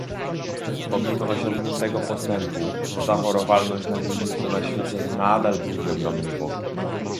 Pomimo osiągniętego postępu zachorowalność na gruźlicę na świecie nadal budzi ogromny niepokój